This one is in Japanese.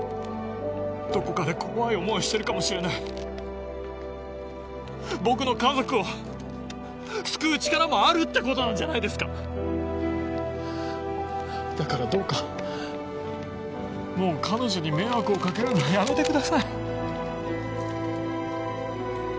どこかで怖い思いをしてるかもしれない僕の家族を救う力もあるってことなんじゃないですか⁉だからどうかもう彼女に迷惑を掛けるのはやめてください。